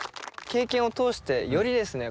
経験を通してよりですね